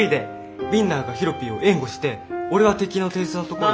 ウインナーがヒロピーを援護して俺は敵の手薄なところを。